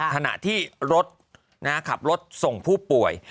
ขณะที่รถขับรถส่งผู้ป่วย